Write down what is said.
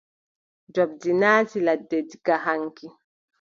Njoɓndi naati ladde diga haŋki.